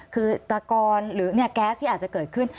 คือตะกอนหรือแก๊สที่อาจจะเกิดขึ้น